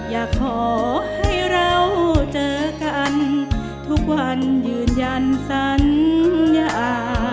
อยากให้เราเจอกันทุกวันยืนยันสัญญา